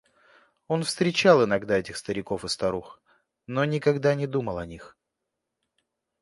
Он встречал иногда этих стариков и старух, но никогда не думал о них.